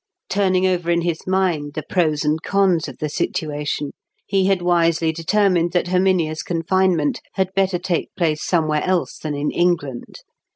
Turning over in his mind the pros and cons of the situation, he had wisely determined that Herminia's confinement had better take place somewhere else than in England.